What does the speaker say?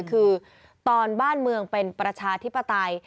คือตอนบ้านเมืองเป็นประชาธิปไตย